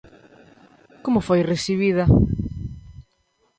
Como foi recibida?